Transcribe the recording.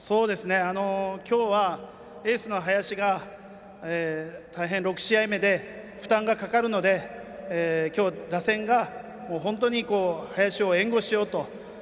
今日は、エースの林が大変、６試合目で負担がかかるので今日、打線が本当に林を援護しようと。